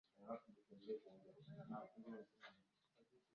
ya baridi bila shaka wakati wa jua